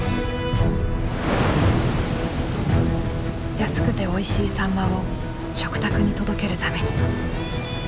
安くておいしいサンマを食卓に届けるために。